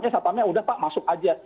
ya satpamnya udah pak masuk aja